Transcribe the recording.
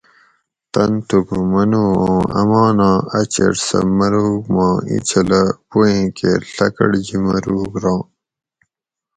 "تن تھوکو منو اوں ""اماناں ا چھیٹ سہ مروگ ما اینچھلہ پوئیں کیر ڷکۤٹجی مروگ ران"""